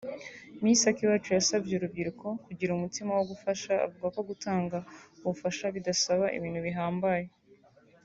Miss Akiwacu yasabye urubyiruko kugira umutima wo gufasha avuga ko gutanga ubufasha bidasaba ibintu bihambaye